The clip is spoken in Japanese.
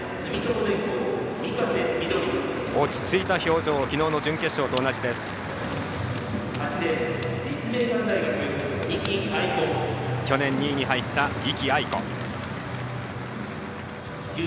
落ち着いた表情、きのうの準決勝と同じです、御家瀬緑。